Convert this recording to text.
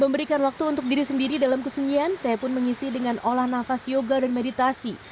memberikan waktu untuk diri sendiri dalam kesunyian saya pun mengisi dengan olah nafas yoga dan meditasi